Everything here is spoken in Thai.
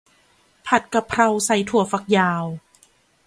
ผัดกะเพราใส่ถั่วฝักยาว